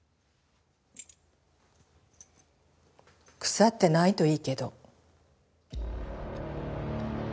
腐ってないといいけど。